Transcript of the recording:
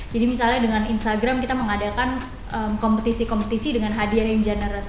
jadi misalnya dengan instagram kita mengadakan kompetisi kompetisi dengan hadiah yang generous